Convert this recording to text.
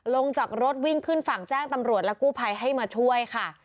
ลงจากรถวิ่งขึ้นฝั่งแจ้งตำรวจและกู้ภัยให้มาช่วยค่ะ